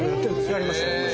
やりました。